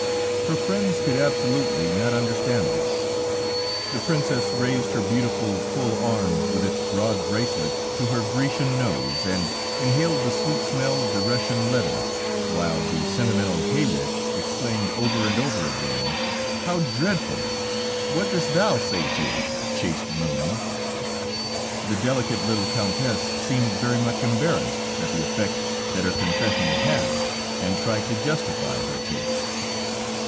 Her friends could absolutely not understand this; the Princess raised her beautiful, full arm with its broad bracelet to her Grecian nose and inhaled the sweet smell of the Russian leather, while the sentimental hay rick exclaimed over and over again: "How dreadful! What dost thou say to it, chaste moon?" The delicate little Countess seemed very much embarrassed at the effect that her confession had had, and tried to justify her taste.